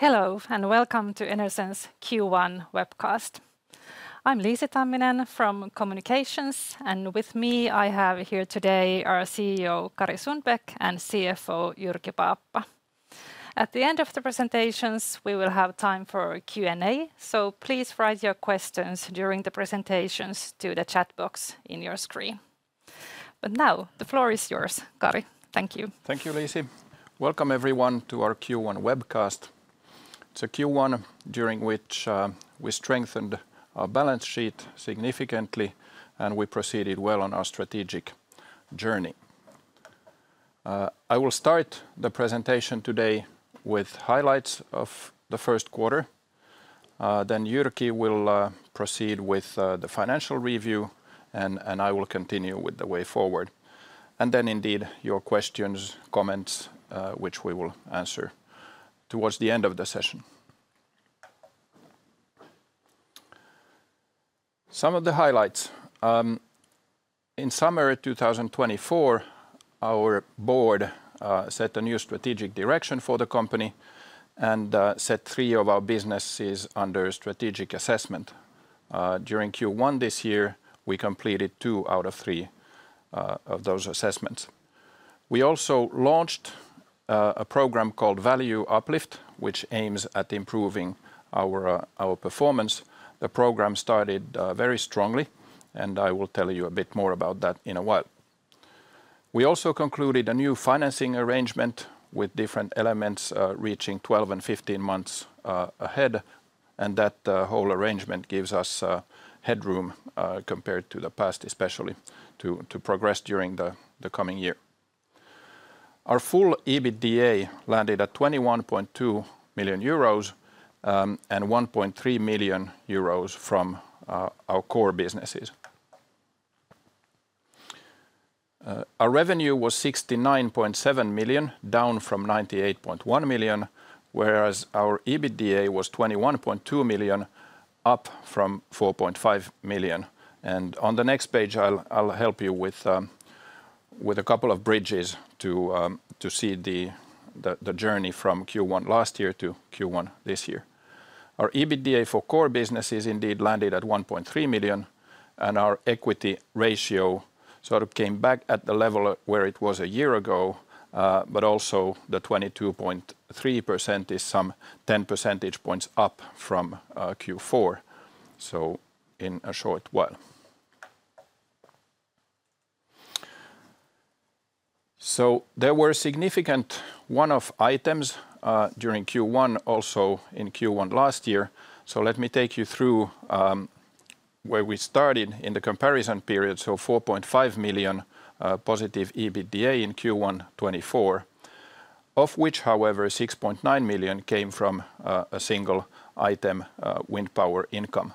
Hello and welcome to Enersense Q1 Webcast. I'm Liisi Tamminen from Communications, and with me I have here today our CEO Kari Sundbäck, and CFO, Jyrki Paappa. At the end of the presentations, we will have time for Q&A, so please write your questions during the presentations to the chat box in your screen. Now the floor is yours, Kari. Thank you. Thank you, Liisi. Welcome everyone to our Q1 Webcast. It is a Q1 during which we strengthened our balance sheet significantly, and we proceeded well on our strategic journey. I will start the presentation today with highlights of the first quarter. Jyrki will proceed with the financial review, and I will continue with the way forward. Indeed, your Questions and Comments, which we will answer towards the end of the Session. Some of the highlights. In summer 2024, our board set a new strategic direction for the company and set three of our businesses under strategic assessment. During Q1 this year, we completed two out of three of those assessments. We also launched a program called Value Uplift, which aims at improving our Performance. The program started very strongly, and I will tell you a bit more about that in a while. We also concluded a new financing arrangement with different elements reaching 12-15 months ahead. That whole arrangement gives us headroom compared to the past, especially to progress during the coming year. Our full EBITDA landed at 21.2 million euros and 1.3 million euros from our core businesses. Our revenue was 69.7 million, down from 98.1 million, whereas our EBITDA was 21.2 million, up from 4.5 million. On the next page, I'll help you with a couple of bridges to see the journey from Q1 last year to Q1 this year. Our EBITDA for core businesses indeed landed at 1.3 million, and our equity ratio sort of came back at the level where it was a year ago, but also the 22.3% is some 10 percentage points up from Q4. In a short while. There were significant one-off items during Q1, also in Q1 last year. Let me take you through where we started in the comparison period. 4.5 million positive EBITDA in Q1 2024, of which, however, 6.9 million came from a single item, wind power income.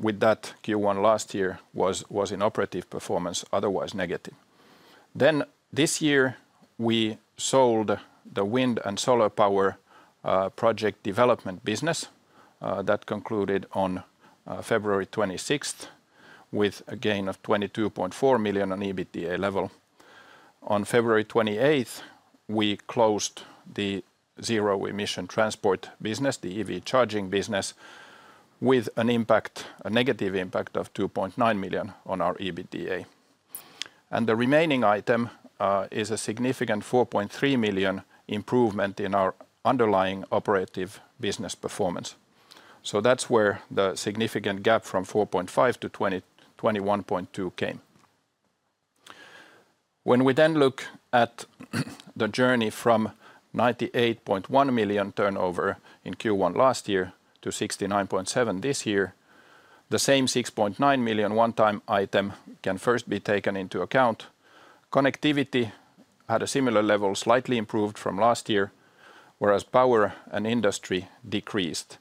With that, Q1 last year was in operative performance, otherwise negative. This year, we sold the wind and solar power project development business that concluded on February 26, with a gain of 22.4 million on EBITDA Level. On February 28, we closed the zero emission transport business, the EV charging business, with a negative Impact of 2.9 million on our EBITDA. The remaining item is a significant 4.3 million improvement in our underlying operative business performance. That is where the significant gap from 4.5 million to 21.2 million came. When we then look at the journey from 98.1 million turnover in Q1 last year to 69.7 million this year, the same 6.9 million one-time item can first be taken into account. Connectivity had a similar level, slightly improved from last year, whereas power and industry decreased,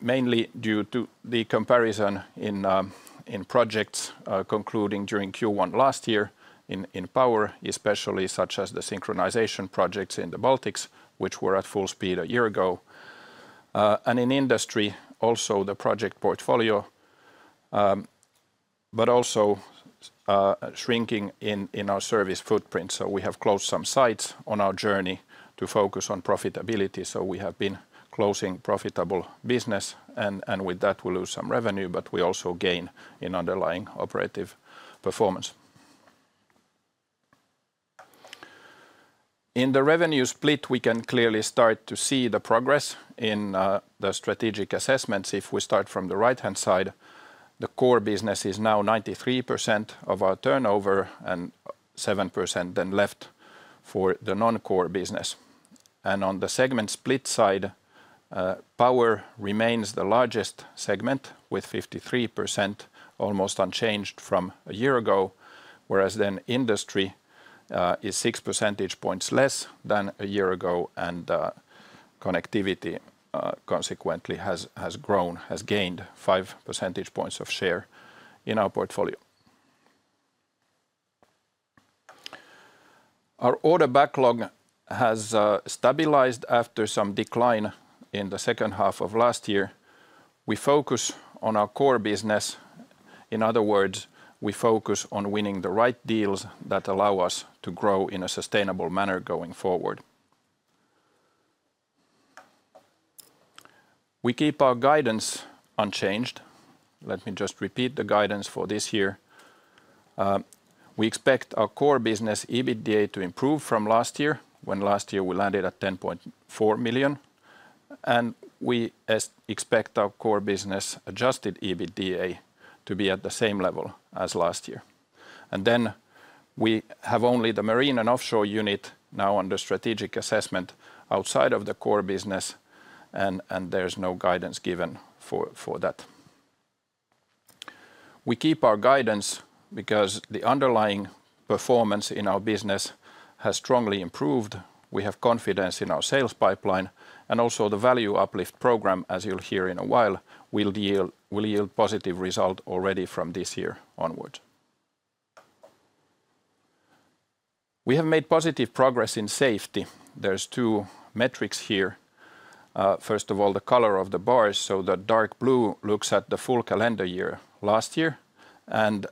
mainly due to the comparison in projects concluding during Q1 last year in power, especially such as the synchronization projects in the Baltics, which were at full speed a year ago. In industry, also the project portfolio, but also shrinking in our service footprint. We have closed some sites on our journey to focus on profitability. We have been closing Profitable business, and with that, we lose some Revenue, but we also gain in Underlying Operative Performance. In the revenue split, we can clearly start to see the progress in the strategic assessments. If we start from the right-hand side, the Core Business is now 93% of our turnover and 7% then left for the non-Core Business. On the segment split side, power remains the largest segment with 53%, almost unchanged from a year ago, whereas industry is 6 percentage points less than a year ago, and Connectivity consequently has grown, has gained 5 percentage points of share in our portfolio. Our order backlog has stabilized after some decline in the second half of last year. We focus on our Core Business. In other words, we focus on winning the right deals that allow us to grow in a sustainable manner going forward. We keep our guidance unchanged. Let me just repeat the guidance for this year. We expect our Core Business EBITDA to improve from last year, when last year we landed at 10.4 million. We expect our Core Business adjusted EBITDA to be at the same level as last year. We have only the Marine and Offshore Unit now under strategic assessment outside of the Core Business, and there's no guidance given for that. We keep our guidance because the underlying performance in our business has strongly improved. We have confidence in our sales pipeline, and also the Value Uplift Program, as you'll hear in a while, will yield positive results already from this year onwards. We have made positive progress in safety. There are two metrics here. First of all, the color of the bars. The dark blue looks at the full calendar year last year, and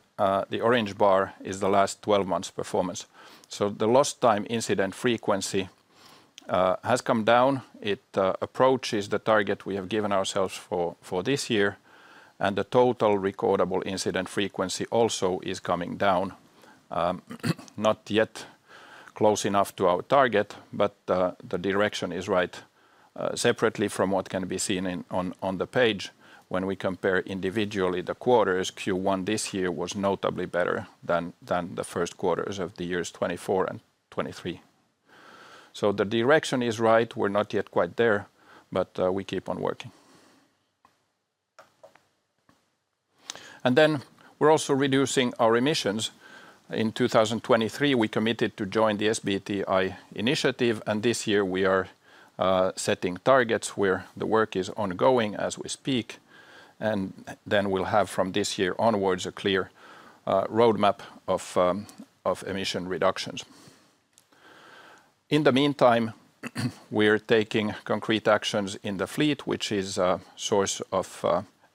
the orange bar is the last 12 months' performance. The lost time incident frequency has come down. It approaches the target we have given ourselves for this year. The Total Recordable Incident Frequency also is coming down, not yet close enough to our target, but the direction is right. Separately from what can be seen on the page, when we compare individually the quarters, Q1 this year was notably better than the first quarters of the years 2024 and 2023. The direction is right. We're not yet quite there, but we keep on working. We're also reducing our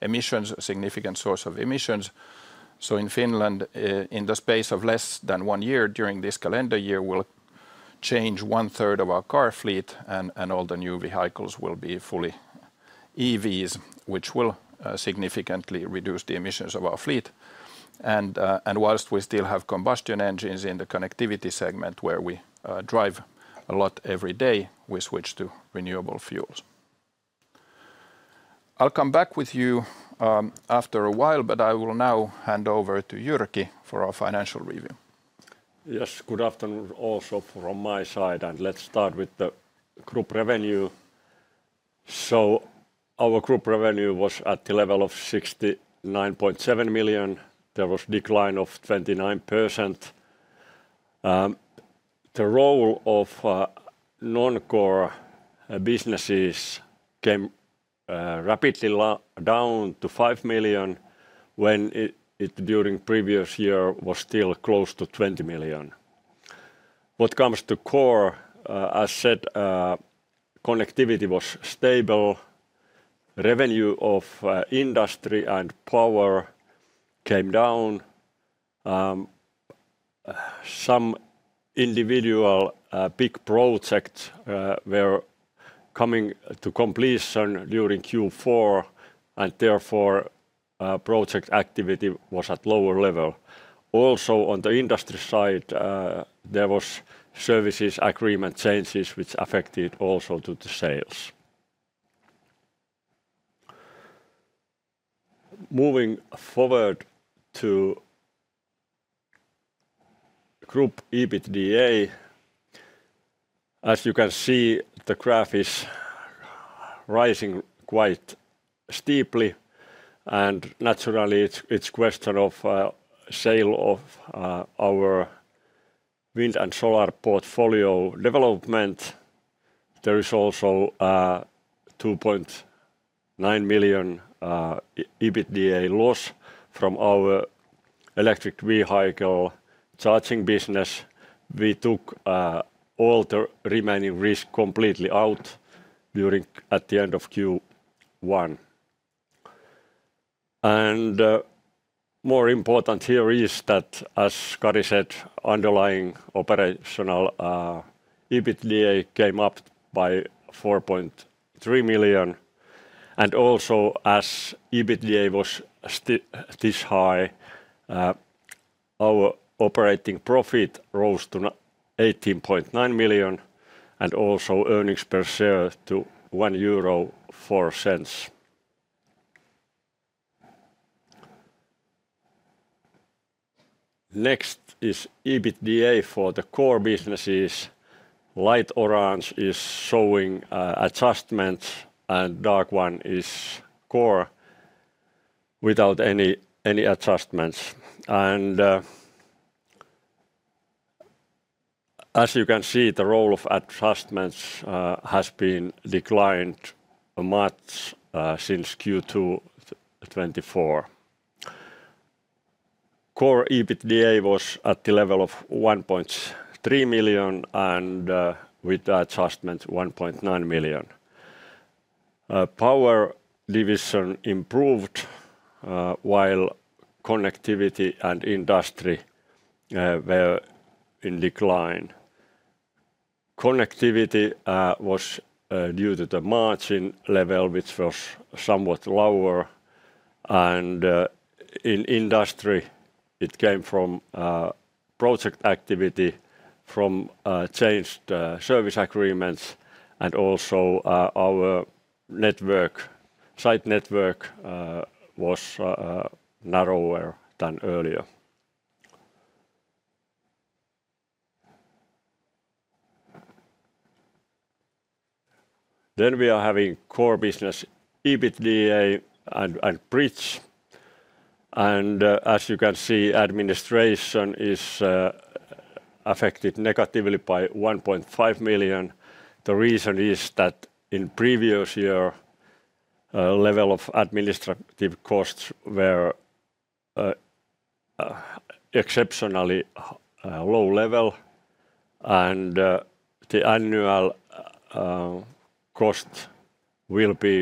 emissions. In 2023, we committed to join the SBTI initiative, and this year we are setting targets where the work is ongoing as we speak. We'll have from this year onwards a clear roadmap of emission reductions. In the meantime, we're taking concrete actions in the fleet, which is a significant source of emissions. In Finland, in the space of less than one year during this calendar year, we'll change one third of our Car Fleet and all the new vehicles will be fully EVs, which will significantly reduce the emissions of our fleet. Whilst we still have combustion engines in the connectivity segment where we drive a lot every day, we switch to renewable fuels. I'll come back with you after a while, but I will now hand over to Jyrki for our financial review. Yes, good afternoon also from my side, and let's start with the group revenue. Our group revenue was at the level of 69.7 million. There was a decline of 29%. The role of non-ore businesses came rapidly down to 5 million when it during the previous year was still close to 20 million. What comes to core, as said, connectivity was stable. Revenue of Industry and Power came down. Some individual big projects were coming to completion during Q4, and therefore project activity was at lower level. Also on the industry side, there were services agreement changes, which affected also the sales. Moving forward to group EBITDA, as you can see, the graph is rising quite steeply. Naturally, it's a question of sale of our wind and solar portfolio development. There is also a 2.9 million EBITDA loss from our electric vehicle charging business. We took all the remaining risk completely out during at the end of Q1. More important here is that, as Kari said, underlying operational EBITDA came up by 4.3 million. Also, as EBITDA was this high, our operating profit rose to 18.9 million and earnings per share to 1.04 euro. Next is EBITDA for the core businesses. Light orange is showing adjustments, and dark one is core without any adjustments. As you can see, the role of adjustments has been declined much since Q2 2024. Core EBITDA was at the level of 1.3 million and with adjustments 1.9 million. Power division improved, while connectivity and industry were in decline. Connectivity was due to the margin level, which was somewhat lower. In industry, it came from project activity, from changed service agreements, and also our site network was narrower than earlier. We are having Core Business EBITDA and Bridge. As you can see, Administration is affected negatively by 1.5 Million. The reason is that in previous year, level of administrative costs were exceptionally low level, and the annual cost will be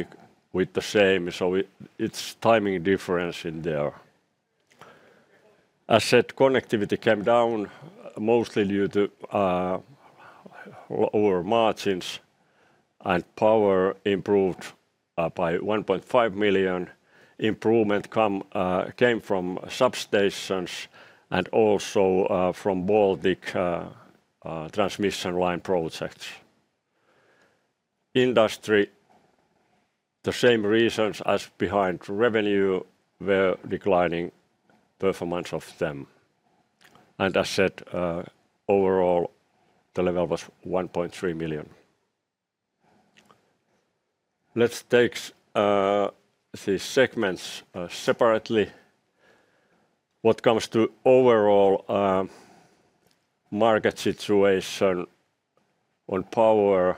with the same. It is timing difference in there. As said, connectivity came down mostly due to lower margins, and power improved by 1.5 million. Improvement came from substations and also from Baltic transmission line projects. Industry, the same reasons as behind revenue were declining performance of them. As said, overall, the level was 1.3 million. Let's take these segments separately. What comes to Overall Market Situation on Power,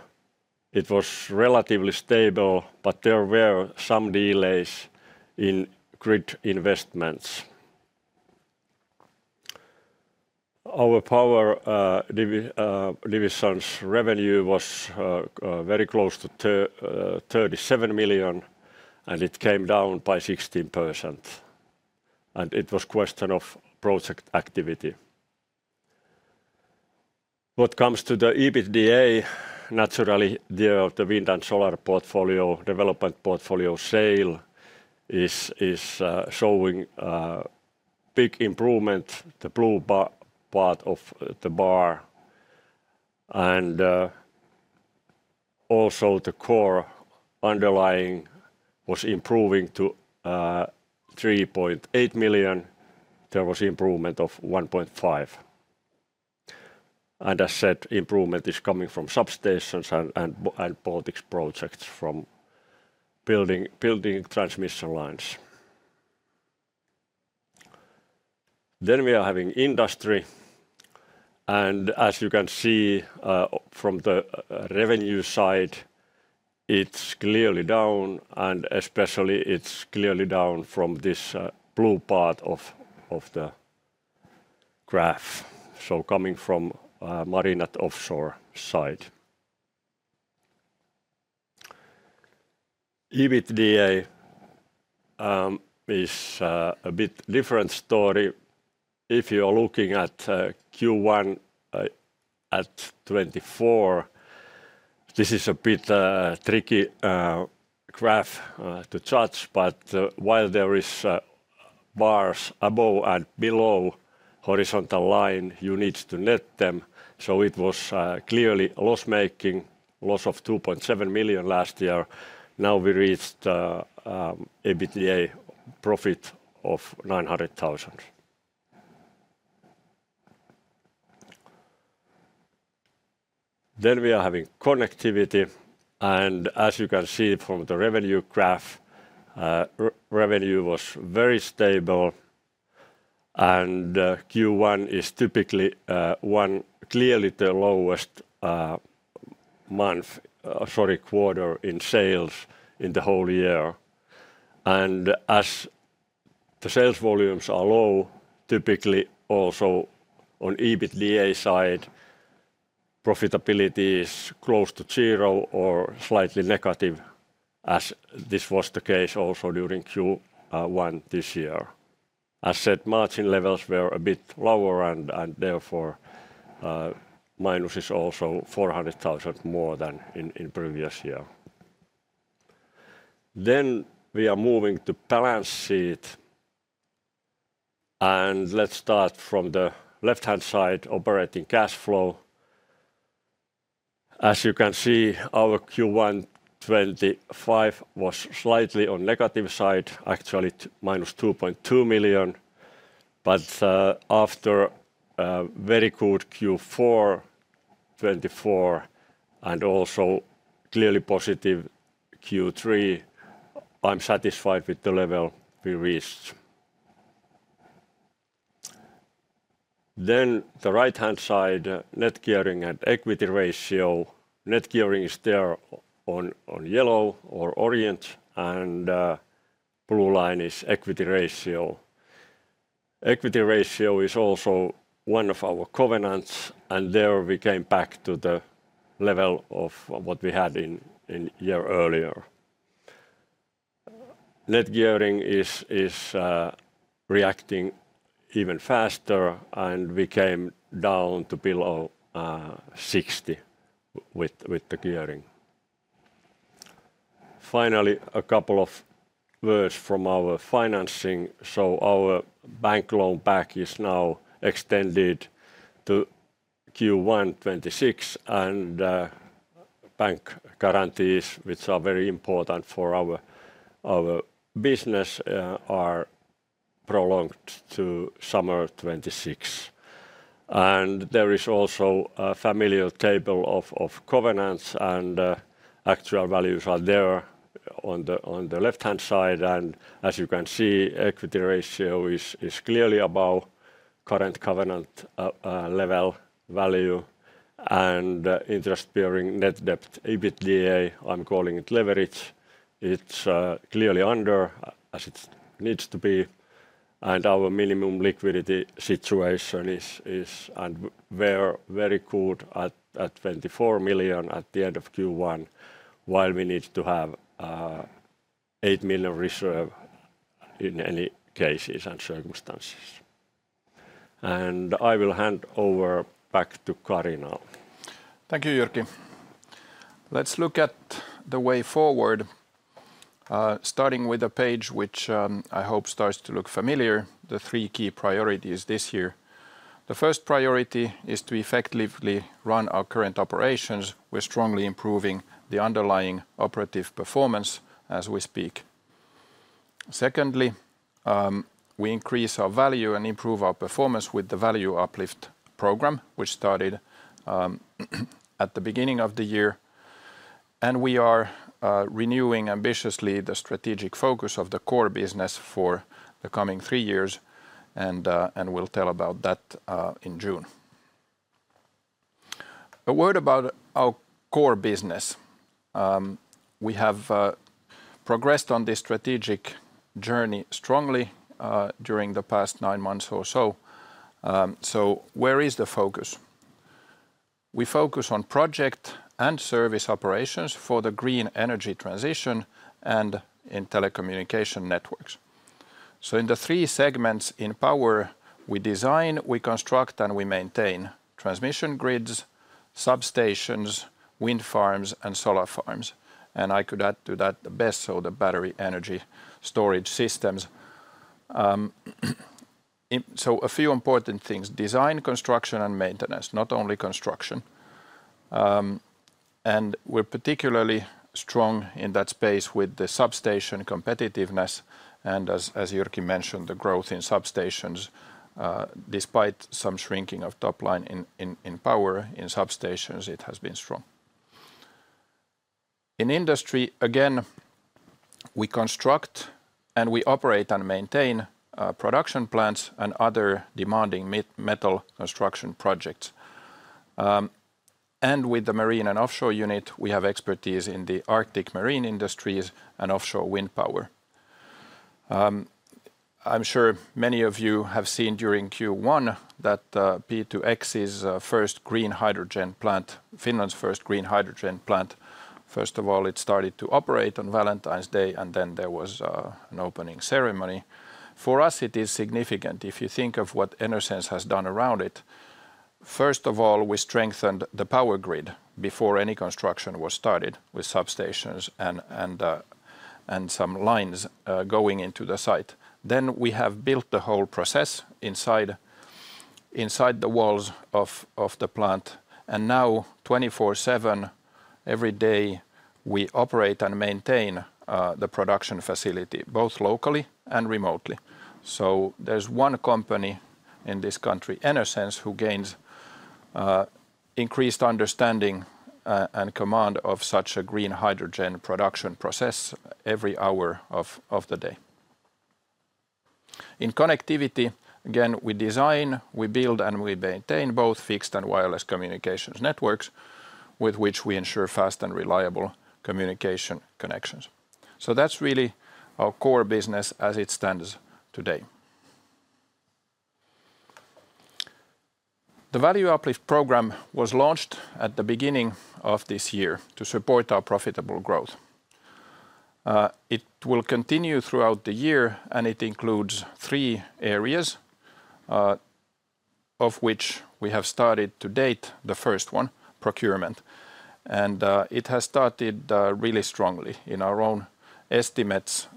it was relatively stable, but there were some delays in grid investments. Our power division's revenue was very close to 37 million, and it came down by 16%. It was a question of project activity. What comes to the EBITDA, naturally, the wind and solar portfolio development portfolio sale is showing big improvement, the blue part of the bar. Also the core underlying was improving to 3.8 million. There was improvement of 1.5 million. As said, improvement is coming from substations and Baltic projects from building transmission lines. We are having industry. As you can see from the revenue side, it's clearly down, and especially it's clearly down from this blue part of the graph, coming from marine and offshore side. EBITDA is a bit different story. If you are looking at Q1 2024, this is a bit tricky graph to judge, but while there are bars above and below horizontal line, you need to net them. It was clearly loss-making, loss of 2.7 million last year. Now we reached EBITDA profit of EUR 900,000. We are having connectivity. As you can see from the revenue graph, revenue was very stable. Q1 is typically clearly the lowest quarter in sales in the whole year. As the sales volumes are low, typically also on the EBITDA side, profitability is close to zero or slightly negative, as this was the case also during Q1 this year. As said, Margin Levels were a bit lower, and therefore minus is also 400,000 more than in PreviousYear. We are moving to balance sheet. Let's start from the left-hand side Operating Cash Flow. As you can see, our Q1 2025 was slightly on the negative side, actually minus 2.2 million. After a very good Q4 2024 and also clearly positive Q3, I am satisfied with the level we reached. The right-hand side is Net Gearing and Equity Ratio. Net gearing is there on yellow or orange, and blue line is equity ratio. Equity ratio is also one of our covenants, and there we came back to the level of what we had in a year earlier. Net gearing is reacting even faster, and we came down to below 60% with the gearing. Finally, a couple of words from our financing. Our bank loan pack is now extended to Q1 2026, and bank guarantees, which are very important for our business, are prolonged to summer 2026. There is also a familial table of covenants, and actual values are there on the left-hand side. As you can see, equity ratio is clearly above current covenant level value. Interest-bearing net debt EBITDA, I'm calling it leverage, it's clearly under as it needs to be. Our minimum liquidity situation is very good at 24 million at the end of Q1, while we need to have 8 million reserve in any cases and circumstances. I will hand over back to Kari now. Thank you, Jyrki. Let's look at the way forward, starting with a page which I hope starts to look familiar, the three key priorities this year. The first priority is to effectively run our current operations. We're strongly improving the underlying operative performance as we speak. Secondly, we increase our value and improve our performance with the Value Uplift Program, which started at the beginning of the year. We are renewing ambitiously the strategic focus of the Core Business for the coming three years, and we'll tell about that in June. A word about our Core Business. We have progressed on this strategic journey strongly during the past nine months or so. Where is the focus? We focus on project and service operations for the green energy transition and in telecommunication networks. In the three segments in power, we design, we construct, and we maintain transmission grids, substations, wind farms, and solar farms. I could add to that the best of the battery energy storage systems. A few important things: design, construction, and maintenance, not only construction. We are particularly strong in that space with the substation competitiveness. As Jyrki mentioned, the growth in substations, despite some shrinking of top line in power in substations, it has been strong. In industry, again, we construct and we operate and maintain production plants and other demanding metal construction projects. With the Marine and Offshore Unit, we have expertise in the Arctic marine industries and offshore wind power. I am sure many of you have seen during Q1 that P2X's first green hydrogen plant, Finland's first green hydrogen plant. First of all, it started to operate on Valentine's Day, and then there was an opening ceremony. For us, it is significant if you think of what Enersense has done around it. First of all, we strengthened the power grid before any construction was started with substations and some lines going into the site. We have built the whole process inside the walls of the plant. Now, 24/7, every day, we operate and maintain the production facility, both locally and remotely. There is one company in this country, Enersense, who gains increased understanding and command of such a green hydrogen production process every hour of the day. In connectivity, again, we design, we build, and we maintain both fixed and wireless communications networks, with which we ensure fast and reliable communication connections. That is really our Core Business as it stands today. The Value Uplift Program was launched at the beginning of this year to support our profitable growth. It will continue throughout the year, and it includes three areas, of which we have started to date the first one, procurement. It has started really strongly. In our own estimates,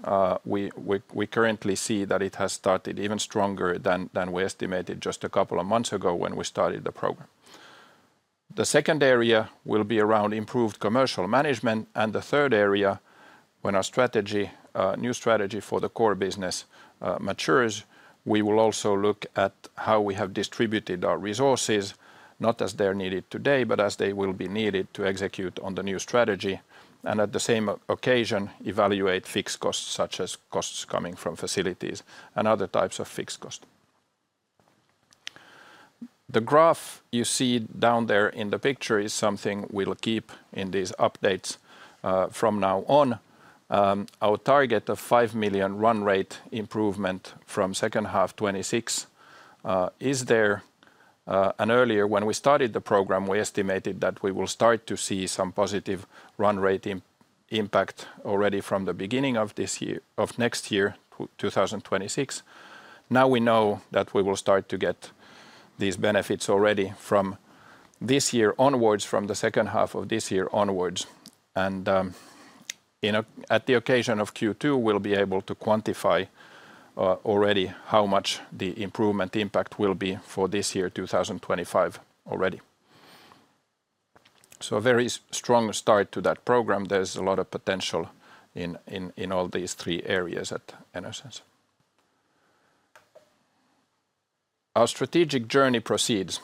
we currently see that it has started even stronger than we estimated just a couple of months ago when we started the program. The second area will be around improved commercial management. The third area, when our new strategy for the Core Business matures, we will also look at how we have distributed our resources, not as they're needed today, but as they will be needed to execute on the new strategy. At the same occasion, evaluate fixed costs, such as costs coming from facilities and other types of fixed costs. The graph you see down there in the picture is something we'll keep in these updates from now on. Our target of 5 million run rate improvement from second half 2026 is there. Earlier, when we started the program, we estimated that we will start to see some positive run rate impact already from the beginning of next year, 2025. Now we know that we will start to get these benefits already from this year onwards, from the second half of this year onwards. At the occasion of Q2, we'll be able to quantify already how much the improvement impact will be for this year, 2024, already. A very strong start to that program. There's a lot of potential in all these three areas at Enersense. Our strategic journey proceeds.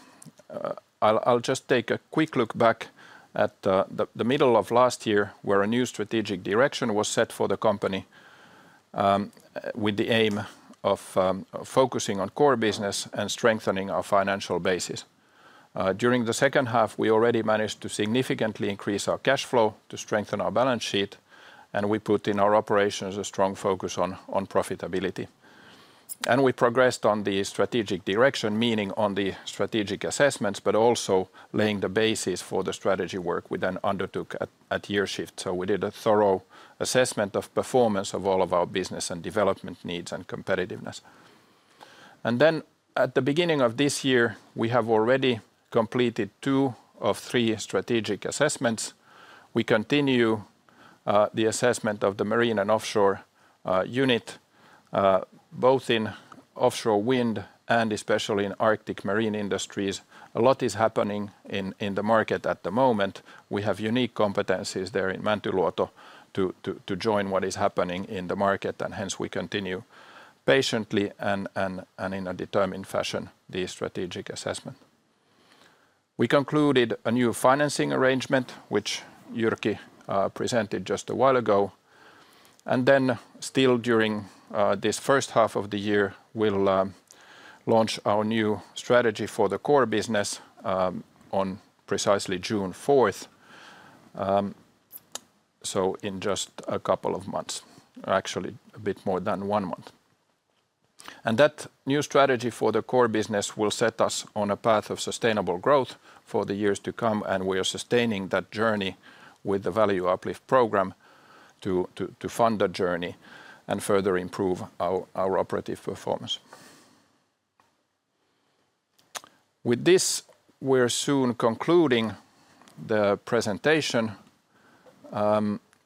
I'll just take a quick look back at the middle of last year, where a new strategic direction was set for the company with the aim of focusing on Core Business and strengthening our financial basis. During the second half, we already managed to significantly increase our cash flow to strengthen our balance sheet, and we put in our operations a strong focus on profitability. We progressed on the strategic direction, meaning on the strategic assessments, but also laying the basis for the strategy work we then undertook at year shift. We did a thorough assessment of performance of all of our business and development needs and competitiveness. At the beginning of this year, we have already completed two of three strategic assessments. We continue the assessment of the Marine and Offshore Unit, both in offshore wind and especially in Arctic marine industries. A lot is happening in the market at the moment. We have unique competencies there in Mäntyluoto, to join what is happening in the market, and hence we continue patiently and in a determined fashion, the strategic assessment. We concluded a new financing arrangement, which Jyrki presented just a while ago. Still during this first half of the year, we will launch our new strategy for the Core Business on precisely June 4, so in just a couple of months, actually a bit more than one month. That new strategy for the Core Business will set us on a path of sustainable growth for the years to come, and we are sustaining that journey with the Value Uplift Program to fund the journey and further improve our operative performance. With this, we're soon concluding the presentation,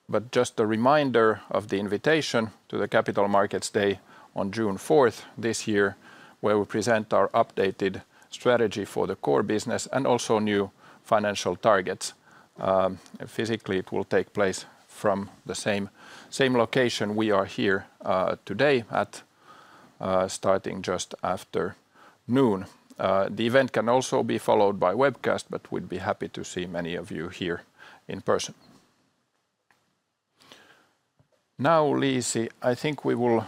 but just a reminder of the invitation to the Capital Markets Day on June 4th this year, where we present our updated strategy for the Core Business and also new financial targets. Physically, it will take place from the same location we are here today at, starting just after noon. The event can also be followed by webcast, but we'd be happy to see many of you here in person. Now, Liisi, I think we will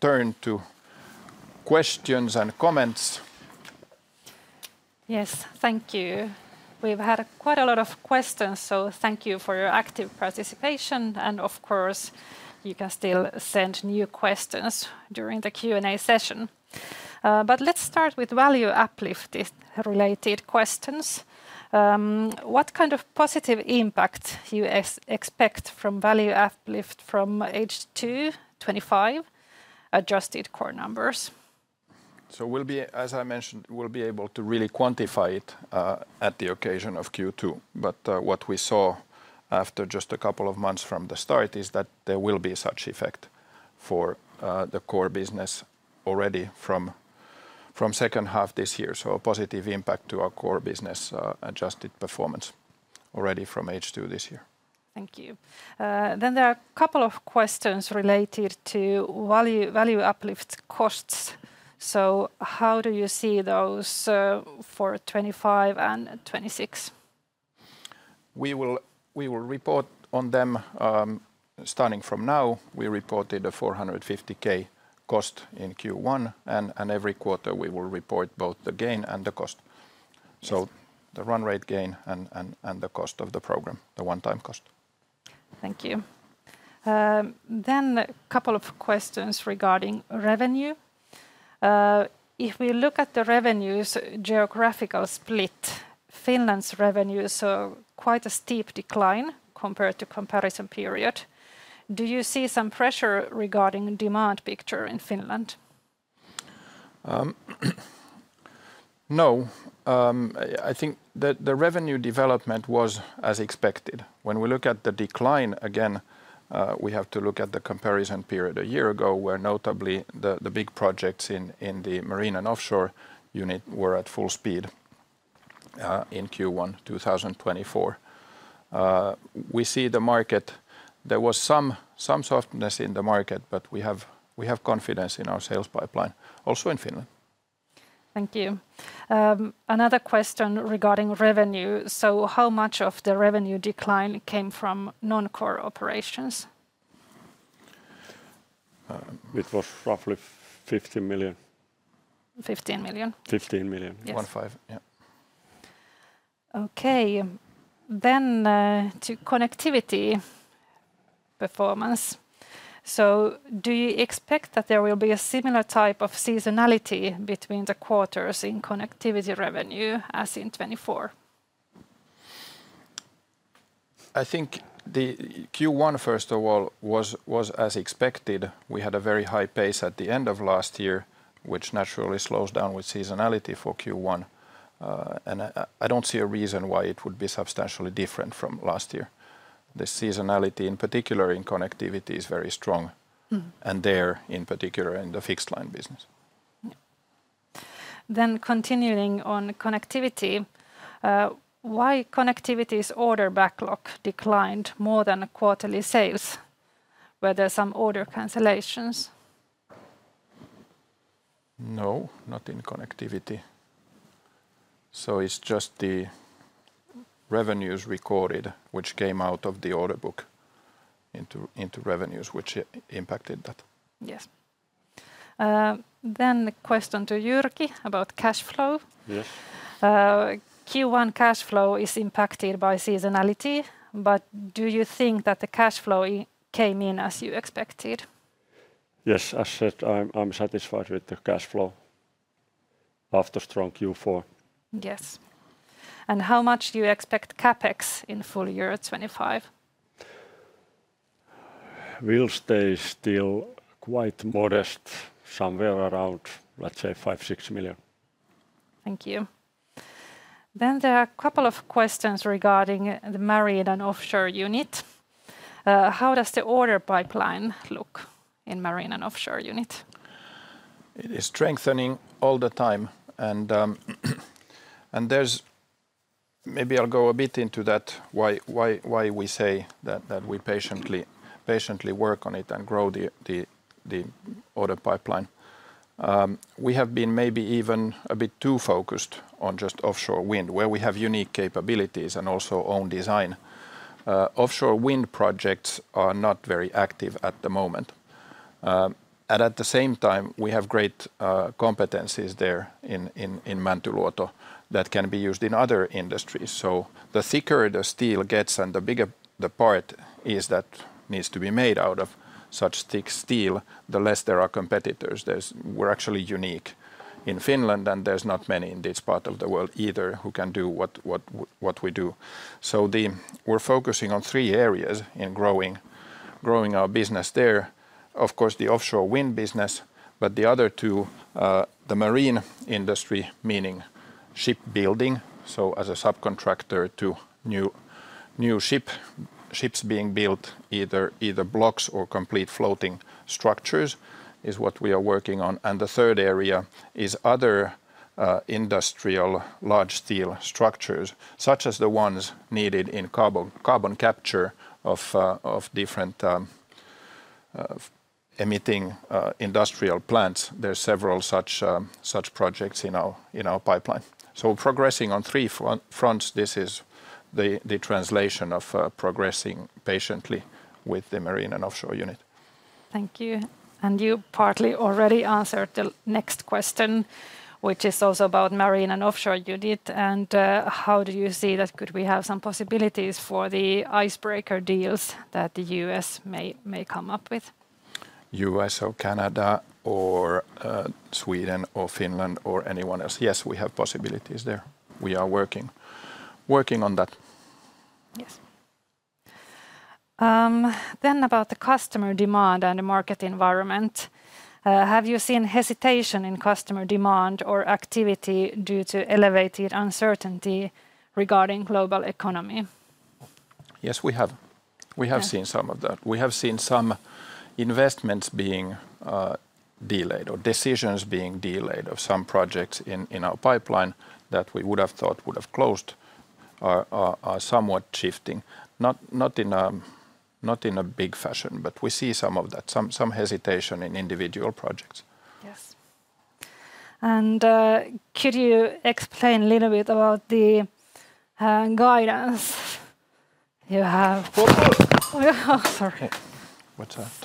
turn to questions and comments. Yes, thank you. We've had quite a lot of questions, so thank you for your active participation. Of course, you can still send new questions during the Q&A session. Let's start with value uplift-related questions. What kind of positive impact do you expect from value uplift from age 225 adjusted core numbers? As I mentioned, we'll be able to really quantify it at the occasion of Q2. What we saw after just a couple of months from the start is that there will be such effect for the Core Business already from the second half this year. A positive impact to our Core Business adjusted performance already from H2 this year. Thank you. There are a couple of questions related to value uplift costs. How do you see those for 2025 and 2026? We will report on them starting from now. We reported a 450,000 cost in Q1, and every quarter we will report both the gain and the cost. The run rate gain and the cost of the program, the one-time cost. Thank you. A couple of questions regarding revenue. If we look at the revenues geographical split, Finland's revenues are quite a steep decline compared to the comparison period. Do you see some pressure regarding the demand picture in Finland? No. I think that the revenue development was as expected. When we look at the decline, again, we have to look at the comparison period a year ago, where notably the big projects in the Marine and Offshore Unit were at full speed in Q1 2024. We see the market, there was some softness in the market, but we have confidence in our sales pipeline, also in Finland. Thank you. Another question regarding revenue. How much of the revenue decline came from non-core operations? It was roughly 15 million. 15 million. 15 million. Okay. Then to connectivity performance. Do you expect that there will be a similar type of seasonality between the quarters in connectivity revenue as in 2024? I think Q1, first of all, was as expected. We had a very high pace at the end of last year, which naturally slows down with seasonality for Q1. I do not see a reason why it would be substantially different from last year. The seasonality, in particular in Connectivity, is very strong. There in particular in the fixed line business. Continuing on connectivity, why did connectivity's order backlog decline more than quarterly sales, were there some order cancellations? No, not in Connectivity. It is just the revenues recorded, which came out of the order book into revenues, which impacted that. Yes. A question to Jyrki about cash flow. Yes. Q1 cash flow is impacted by seasonality, but do you think that the cash flow came in as you expected? Yes, I said I'm satisfied with the cash flow after strong Q4. Yes. How much do you expect CapEx in full year 2025? Will stay still quite modest, somewhere around, let's say, 5 million-6 million. Thank you. There are a couple of questions regarding the Marine and Offshore Unit. How does the order pipeline look in Marine and Offshore Unit? It is strengthening all the time. Maybe I'll go a bit into that, why we say that we patiently work on it and grow the order pipeline. We have been maybe even a bit too focused on just offshore wind, where we have unique capabilities and also own design. Offshore wind projects are not very active at the moment. At the same time, we have great competencies there in Mäntyluoto that can be used in other industries. The thicker the steel gets and the bigger the part is that needs to be made out of such thick steel, the less there are competitors. We're actually unique in Finland, and there's not many in this part of the world either who can do what we do. We're focusing on three areas in growing our business there. Of course, the offshore wind business, but the other two, the marine industry, meaning shipbuilding. As a subcontractor to new ships being built, either blocks or complete floating structures is what we are working on. The third area is other industrial large steel structures, such as the ones needed in carbon capture of different emitting industrial plants. There are several such projects in our pipeline. Progressing on three fronts, this is the translation of progressing patiently with the Marine and Offshore Unit. Thank you. You partly already answered the next question, which is also about the Marine and Offshore Unit. How do you see that? Could we have some possibilities for the icebreaker deals that the U.S. may come up with? U.S. or Canada or Sweden or Finland or anyone else? Yes, we have possibilities there. We are working on that. Yes. About the customer demand and the market environment. Have you seen hesitation in customer demand or activity due to elevated uncertainty regarding global economy? Yes, we have. We have seen some of that. We have seen some investments being delayed or decisions being delayed of some projects in our pipeline that we would have thought would have closed are somewhat shifting. Not in a big fashion, but we see some of that, some hesitation in individual projects. Yes. Could you explain a little bit about the guidance you have? What's that?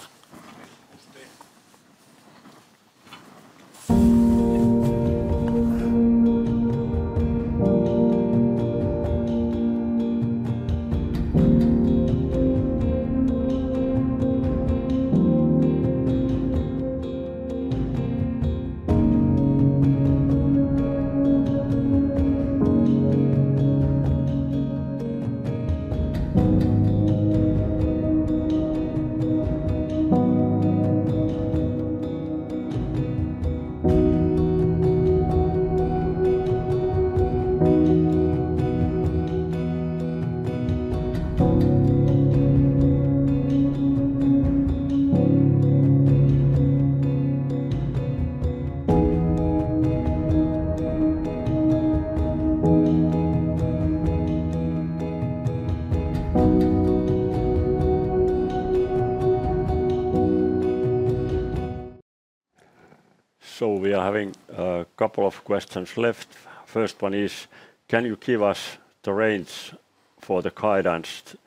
We are having a couple of questions left. First one is, can you give us the range for the guidance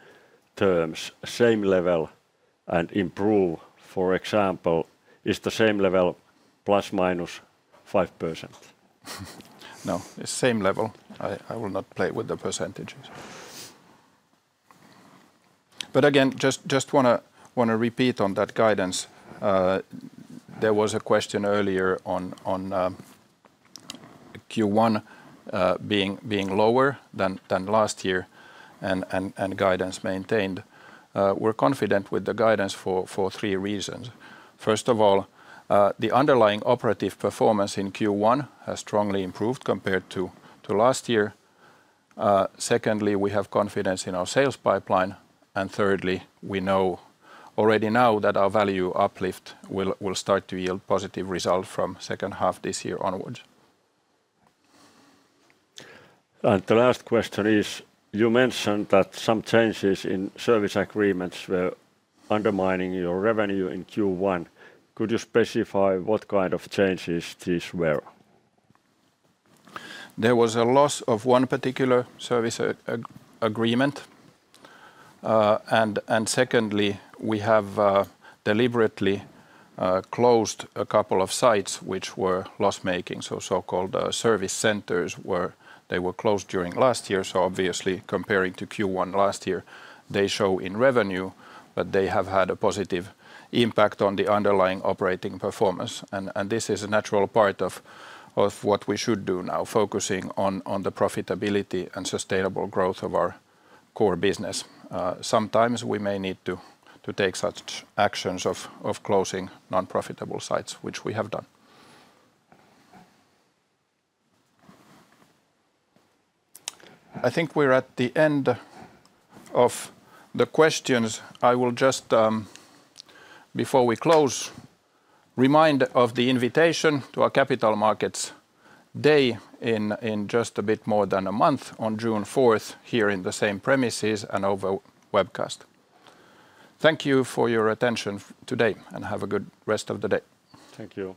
terms, same level and improve, for example, is the same level plus minus 5%? No, it's same level. I will not play with the percentages. Again, just want to repeat on that guidance. There was a question earlier on Q1 being lower than last year and guidance maintained. We're confident with the guidance for three reasons. First of all, the underlying operative performance in Q1 has strongly improved compared to last year. Secondly, we have confidence in our sales pipeline. Thirdly, we know already now that our value uplift will start to yield positive results from second half this year onwards. The last question is, you mentioned that some changes in service agreements were undermining your revenue in Q1. Could you specify what kind of changes these were? There was a loss of one particular service agreement. Secondly, we have deliberately closed a couple of sites which were loss-making, so so-called service centers where they were closed during last year. Obviously, comparing to Q1 last year, they show in revenue, but they have had a positive impact on the underlying operating performance. This is a natural part of what we should do now, focusing on the profitability and sustainable growth of our Core Business. Sometimes we may need to take such actions of closing non-profitable sites, which we have done. I think we're at the end of the questions. I will just, before we close, remind of the invitation to our Capital Markets Day in just a bit more than a month on June 4th here in the same premises and over webcast. Thank you for your attention today and have a good rest of the day. Thank you.